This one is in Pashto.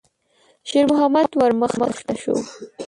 شېرمحمد ور مخته شو.